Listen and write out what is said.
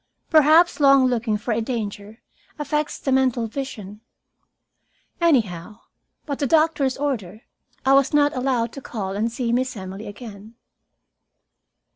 Perhaps long looking for a danger affects the mental vision. Anyhow, by the doctor's order, I was not allowed to call and see Miss Emily again.